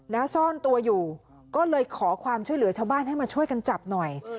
แล้วซ่อนตัวอยู่ก็เลยขอความช่วยเหลือชาวบ้านให้มาช่วยกันจับหน่อย